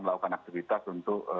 melakukan aktivitas untuk